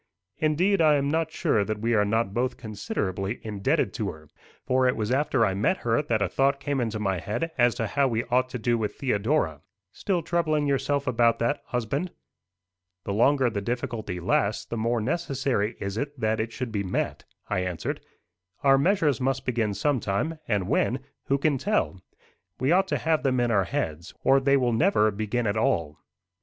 "Indeed, I am not sure that we are not both considerably indebted to her; for it was after I met her that a thought came into my head as to how we ought to do with Theodora." "Still troubling yourself about that, husband?" "The longer the difficulty lasts, the more necessary is it that it should be met," I answered. "Our measures must begin sometime, and when, who can tell? We ought to have them in our heads, or they will never begin at all."